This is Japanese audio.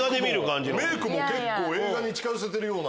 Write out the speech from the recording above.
メイクも結構映画に近づいてるような。